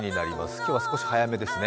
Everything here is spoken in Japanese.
今日は少し早めですね。